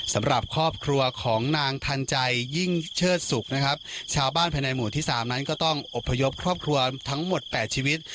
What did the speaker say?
สำหรับครอบครัวของนางทันใจยิ่งเชิดสุขนะครับชาวบ้านภายในหมู่ที่สามนั้นก็ต้องอบพยพครอบครัวทั้งหมดแปดชีวิต